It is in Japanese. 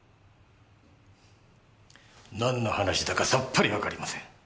何の話だかさっぱりわかりません。